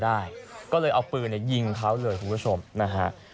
ได้ก็เลยเอาปืนยิงเขาเลยคุณผู้ชมนะฮะ